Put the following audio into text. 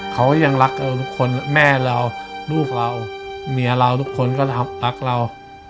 เขายังรักเราทุกคนแม่เราลูกเราเมียเราทุกคนก็รักเรา